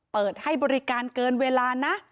เปิดให้บริการเกินเวลานะ